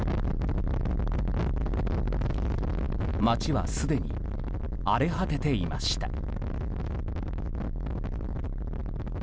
街は、すでに荒れ果てていました。